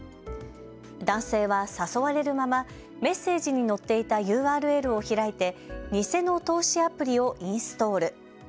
男性は誘われるままメッセージに載っていたＵＲＬを開いて偽の投資アプリをインストール。